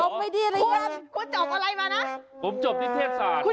คุณจบอะไรมานะผมจบนิเทศศาสตร์